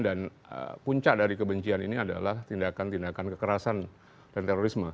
dan puncak dari kebencian ini adalah tindakan tindakan kekerasan dan terorisme